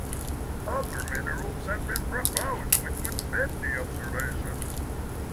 Other minerals have been proposed which would fit the observations.